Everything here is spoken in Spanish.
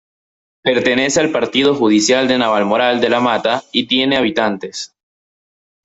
Pertenece al partido judicial de Navalmoral de la Mata y tiene habitantes.